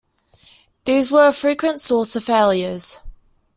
These were a frequent source of failures.